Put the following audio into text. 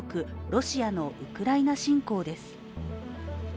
ロシアのウクライナ侵攻です。